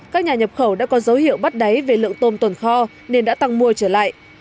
các nhà nhập khẩu đã có dấu hiệu bắt đáy về lượng tôm tồn kho nên đã tăng mua trở lại